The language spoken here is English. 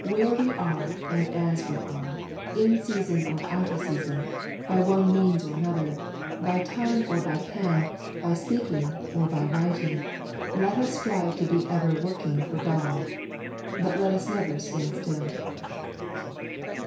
Where we are and as we are^ in season or out of season^ by one means or by another, by tongue or by pen, by speaking or by writing, let us strive to be ever working for God. But let us never stand still.